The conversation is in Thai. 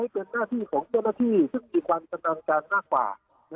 เป็นหน้าที่ของเจ้าหน้าที่ซึ่งมีความกำลังการมากกว่า